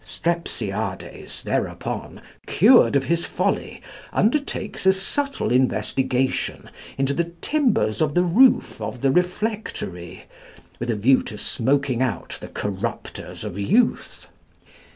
Strepsiades thereupon, cured of his folly, undertakes a subtle investigation into the timbers of the roof of the Reflectory, with a view to smoking out the corrupters of youth.